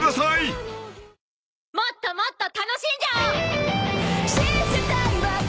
「もっともっと楽しんじゃおう！」